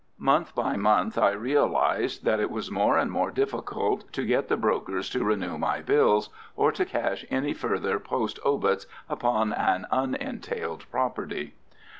Month by month I realized that it was more and more difficult to get the brokers to renew my bills, or to cash any further post obits upon an unentailed property.